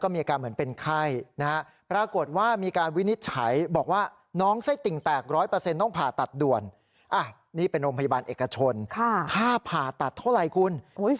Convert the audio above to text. นี่เป็นโรงพยาบาลเอกชนค่าผ่าตัดเท่าไหร่คุณ